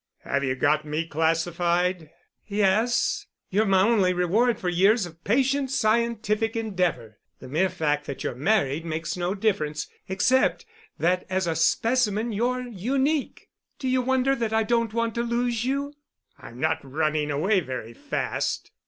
"Have you got me classified?" "Yes—you're my only reward for years of patient scientific endeavor. The mere fact that you're married makes no difference, except that as a specimen you're unique. Do you wonder that I don't want to lose you?" "I'm not running away very fast."